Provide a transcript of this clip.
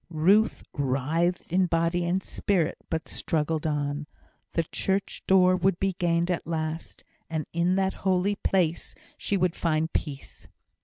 Ruth writhed in body and spirit, but struggled on. The church door would be gained at last; and in that holy place she would find peace.